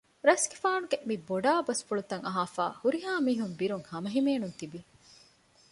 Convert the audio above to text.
ރަސްގެފާނުގެ މިބޮޑާ ބަސްފުޅުތައް އަހާފައި ހުރިހާ މީހުން ބިރުން ހަމަހިމޭނުން ތިވި